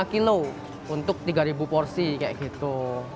satu ratus tujuh puluh lima kilo untuk tiga ribu porsi kayak gitu